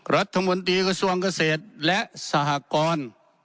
รัฐมนตรีกระทรวงเกษตรและสหกร